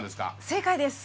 正解です！